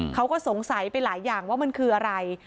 เขาก็สงสัยไปหลายอย่างว่ามันคืออะไร